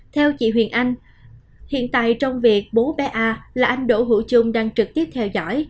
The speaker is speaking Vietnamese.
theo chị huyền anh hiện tại trong việc bố bé a là anh đỗ hữu trung đang trực tiếp theo dõi